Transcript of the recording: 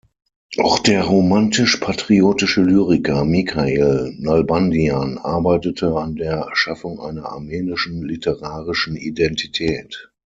Auch der romantisch-patriotische Lyriker Mikael Nalbandian arbeitete an der Schaffung einer armenischen literarischen Identität.